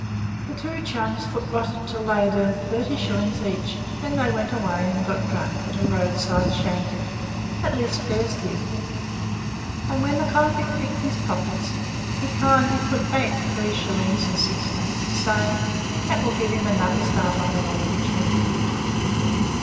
The two chums foot rotted until they had earned thirty shillings each, then they went away and got drunk at a roadside shanty; at least, Bez did, and when the convict picked his pockets, he kindly put back three shillings and sixpence, saying, "That will give him another start on the wallaby track."